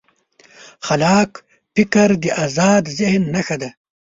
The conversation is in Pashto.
خلاق فکر د ازاد ذهن نښه ده.